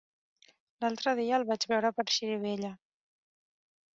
L'altre dia el vaig veure per Xirivella.